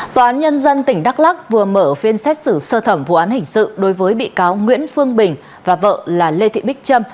tòa án nhân dân tỉnh đắk lắc vừa mở phiên xét xử sơ thẩm vụ án hình sự đối với bị cáo nguyễn phương bình và vợ là lê thị bích trâm